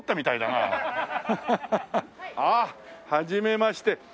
ああはじめまして。